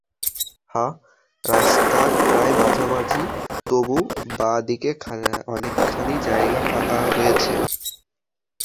হ্যাঁ, রাস্তার প্রায় মাঝামাঝি, তবু বাঁ দিকে অনেকখানি জায়গা ফাঁকা রয়েছে।